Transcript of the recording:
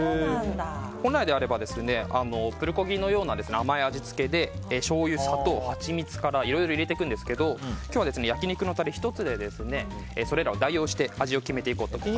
本来であればプルコギのような甘い味付けでしょうゆ、砂糖、ハチミツからいろいろ入れていくんですが今日は、焼き肉のタレ１つでそれらを代用して味を決めていこうと思います。